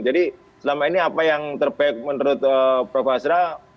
jadi selama ini apa yang terbaik menurut prof asra